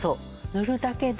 塗るだけで。